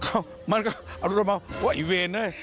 เขามันดูงล่ะมาโอ่ะไอ้เวน